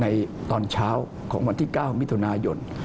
ตอนเช้าของวันที่๙มิถุนายน